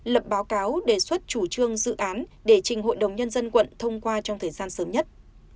lập báo cáo đề xuất chủ trương dự án để trình hội đồng nhân dân quận thông qua trong thời gian sớm nhất